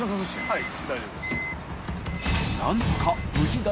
はい。